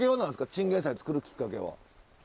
チンゲンサイ作るきっかけは。